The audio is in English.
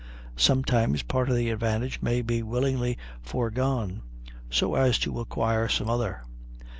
Sometimes part of the advantage may be willingly foregone, so as to acquire some other.